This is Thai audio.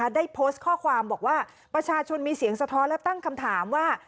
ได้โพสต์ข้อความบอกว่าประชาชนมีเสียงสะท้อนและตั้งคำถามว่า